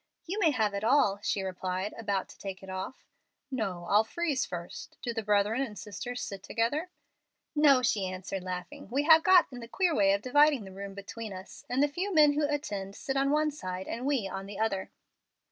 "You may have it all," she replied, about to take it off. "No, I'll freeze first. Do the brethren and sisters sit together?" "No," she answered, laughing, "we have got in the queer way of dividing the room between us, and the few men who attend sit on one side and we on the other."